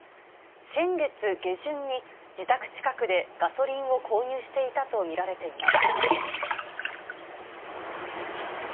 先月下旬に、自宅近くでガソリンを購入していたと見られています。